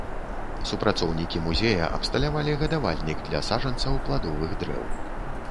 Супрацоўнікі музея абсталявалі гадавальнік для саджанцаў пладовых дрэў.